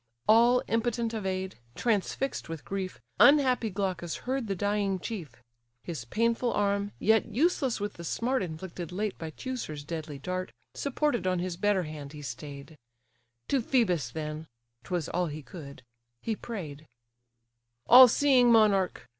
All impotent of aid, transfix'd with grief, Unhappy Glaucus heard the dying chief: His painful arm, yet useless with the smart Inflicted late by Teucer's deadly dart, Supported on his better hand he stay'd: To Phœbus then ('twas all he could) he pray'd: "All seeing monarch!